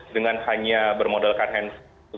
dengan hanya bermodalkan handshake